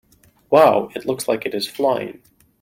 Wow! It looks like it is flying!